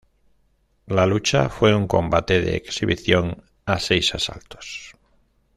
La lucha fue un combate de exhibición a seis asaltos.